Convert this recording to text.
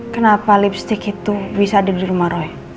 kenapa lipstick itu bisa ada di rumah roy